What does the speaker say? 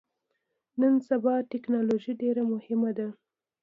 نن سبا ټکنالوژي ډیره مهمه ده